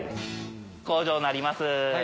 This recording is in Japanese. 工場になります。